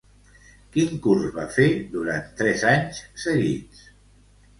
Quin curs va fer durant tres anys seguits?